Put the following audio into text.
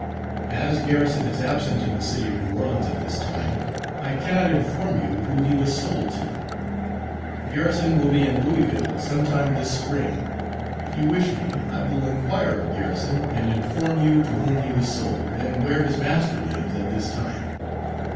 As Garrison is absent in the City of New Orleans at this time, I cannot inform you who he was sold to. Garrison will be in Louisville some time this Spring; if you wish me, I will inquire of Garrison and inform you to whom he was sold, and where his master lives at this time.